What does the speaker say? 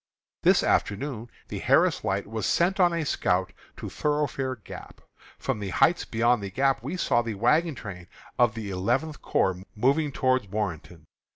This afternoon the Harris Light was sent on a scout to Thoroughfare Gap. From the heights beyond the Gap we saw the wagon train of the Eleventh Corps moving toward Warrenton.